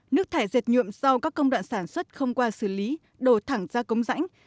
nước thải dệt nhuộm do các công đoạn sản xuất không qua xử lý đổ thẳng ra cống rãnh